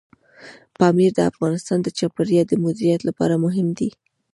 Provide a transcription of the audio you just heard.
پامیر د افغانستان د چاپیریال د مدیریت لپاره مهم دی.